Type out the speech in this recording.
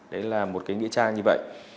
đấy là một nghĩa trang như vậy